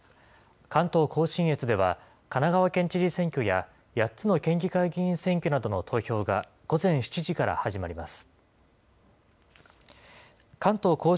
関東甲信越では神奈川県知事選挙や、８つの県議会議員選挙などの投票が午前７時から始まります。